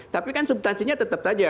tapi kan subtansinya tetap saja